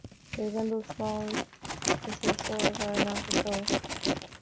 They resemble small plesiosaurs or nothosaurs.